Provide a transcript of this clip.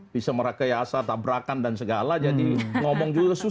bisa merakyasa tabrakan dan segala jadi ngomong juga susahnya